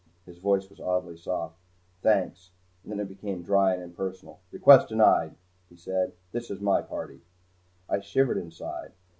His voice was oddly soft. "Thanks." Then it became dry and impersonal. "Request denied," he said. "This is my party." I shivered inside.